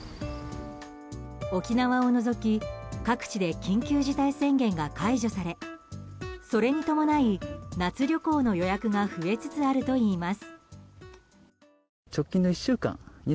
沖縄を除き各地で緊急事態宣言が解除されそれに伴い夏旅行の予約が増えつつあるといいます。